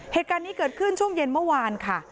เหตุการณ์นี้เกิดขึ้นช่วงเย็นเมื่อวานค่ะ